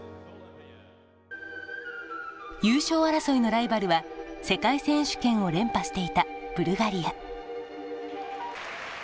優勝争いのライバルは世界選手権を連覇していたブルガリア。